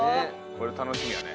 これ楽しみやね。